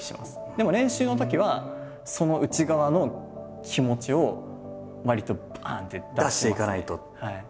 でも練習のときはその内側の気持ちをわりとパン！って出していきますね。